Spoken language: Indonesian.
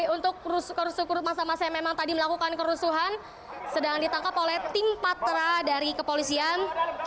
untuk kerusuhan masa masa yang memang tadi melakukan kerusuhan sedang ditangkap oleh tim patra dari kepolisian